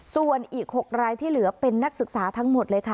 ส่วนอีก๖รายที่เหลือเป็นนักศึกษาทั้งหมดเลยค่ะ